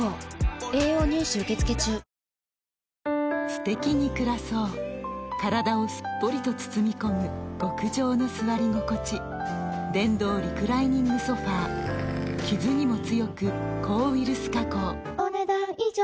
すてきに暮らそう体をすっぽりと包み込む極上の座り心地電動リクライニングソファ傷にも強く抗ウイルス加工お、ねだん以上。